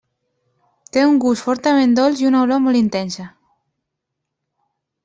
Té un gust fortament dolç i una olor molt intensa.